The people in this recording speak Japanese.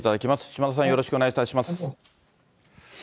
島田さん、よろしくお願いいたします。